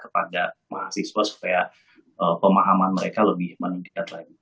kepada mahasiswa supaya pemahaman mereka lebih meningkat lagi